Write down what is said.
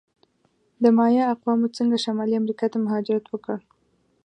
د مایا اقوامو څنګه شمالي امریکا ته مهاجرت وکړ؟